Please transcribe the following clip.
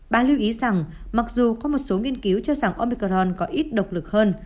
bà lưu ý rằng mặc dù có một số nghiên cứu cho rằng omicron có ít độc lực hơn